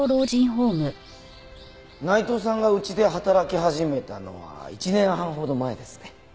内藤さんがうちで働き始めたのは１年半ほど前ですね。